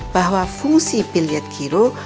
bahwa fungsi bilet giro